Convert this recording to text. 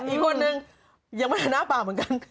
อีกคนนึงยังไม่เห็นหน้าปากเหมือนกัน